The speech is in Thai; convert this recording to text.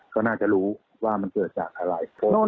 ก็น่าจะรู้ว่ามันเกิดจากอะไร